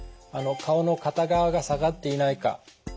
顔の片側が下がっていないか。